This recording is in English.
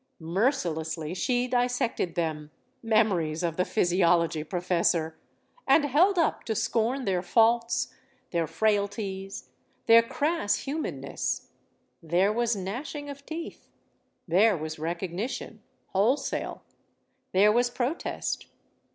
Mercilessly she dissected them memories of the physiology professorl and held up to scorn their faults, their frailties, their crass human ness. There was gnashing of teeth. There was recog nition wholesale. There was protest.